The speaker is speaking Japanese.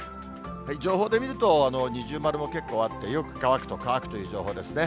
情報で見ると、二重丸も結構あって、よく乾くと乾くという情報ですね。